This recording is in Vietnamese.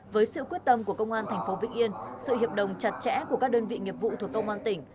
với sự quyết tâm của công an thành phố vĩnh yên sự hiệp đồng chặt chẽ của các đơn vị nghiệp vụ thuộc công an tỉnh